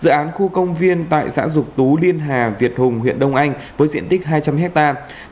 dự án khu công viên tại xã dục tú điên hà việt hùng huyện đông anh với diện tích hai trăm linh hectare